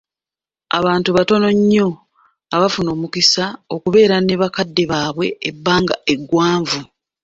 Abantu batono nnyo abafuna omukisa okubeera ne bakadde baabwe ebbanga eggwanvu .